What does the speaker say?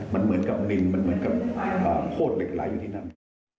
มันเหมือนกับดินมันเหมือนกับโคตรเหล็กไหลอยู่ที่นั่น